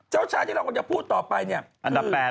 เจ้าชายที่เราจะพูดต่อไปเนี่ย